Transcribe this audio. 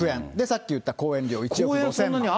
さっき言った講演料１億５０００万円。